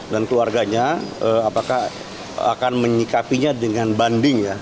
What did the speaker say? dan keluarganya apakah akan menyikapinya dengan banding ya